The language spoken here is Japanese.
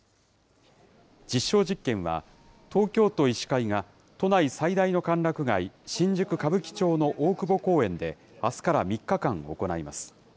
実証実験は、東京都医師会が、都内最大の歓楽街、新宿・歌舞伎町の大久保公園で、あすから３日間行います。